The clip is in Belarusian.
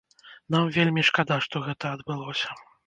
Нам вельмі шкада, што гэта адбылося.